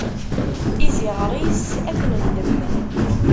Iziɣer-is ad t-neddem.